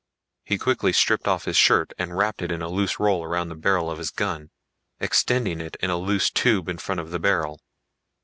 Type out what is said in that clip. He quickly stripped off his shirt and wrapped it in a loose roll around the barrel of his gun, extending it in a loose tube in front of the barrel.